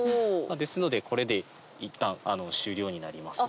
ですのでこれでいったん終了になります。